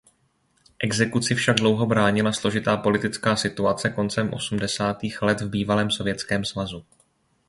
Exekuci však dlouho bránila složitá politická situace koncem osmdesátých let v bývalém Sovětském svazu.